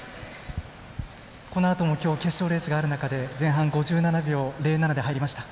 このあともきょう決勝レースがある中で前半５７秒０７で入りました。